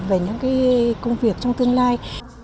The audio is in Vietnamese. về những cái công việc trong tương lai